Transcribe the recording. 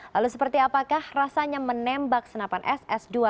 lalu seperti apakah rasanya menembak senapan ss dua